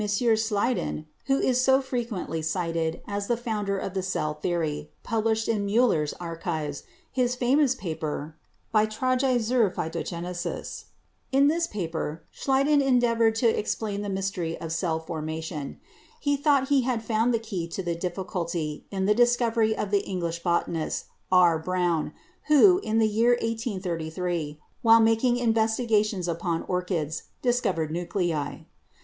Schleiden, who is so fre quently cited as the founder of the cell theory, published in Miiller's 'Archives' his famous paper, 'Beitrage zur Phytogenesis.' In this paper Schleiden endeavored to explain the mystery of cell formation. He thought he had found the key to the difficulty in the discovery of the English botanist, R. Brown, who, in the year 1833, while making investigations upon orchids, discovered nuclei.